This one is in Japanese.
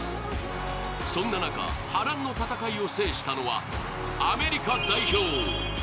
そんな中、波乱の戦いを制したのはアメリカ代表。